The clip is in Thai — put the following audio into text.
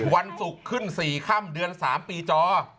วันศุกร์ขึ้น๔ค่ำเดือน๓ปีจอ